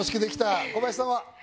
小林さんは？